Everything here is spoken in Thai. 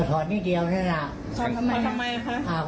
ถอดนิดเดียวมันควร